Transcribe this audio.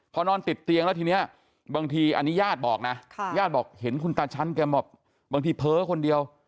พอนอนติดเตียงแล้วทีนี้บางทีอันนี้ญาติบอกนะญาติบอกเห็นคุณตาชั้นแกบอกบางทีเผลอคนเดียว